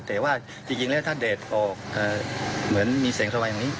แต่ว่าจริงแล้วถ้าแดดออกเหมือนมีแสงสว่างอย่างนี้